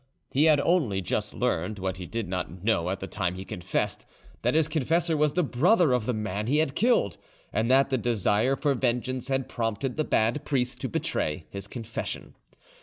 He had only just learned, what he did not know at the time he confessed, that his confessor was the brother of the man he had killed, and that the desire for vengeance had prompted the bad priest to betray his confession.